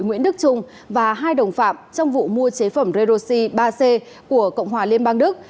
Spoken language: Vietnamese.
nguyễn đức trung và hai đồng phạm trong vụ mua chế phẩm redoxi ba c của cộng hòa liên bang đức